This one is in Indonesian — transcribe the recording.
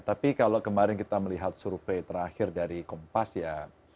tapi kalau kemarin kita melihat survei terakhir dari kompas ya